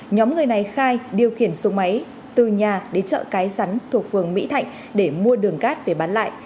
nhóm người này khai điều khiển xuống máy từ nhà đến chợ cái rắn thuộc phường mỹ thạnh để mua đường cát về bán lại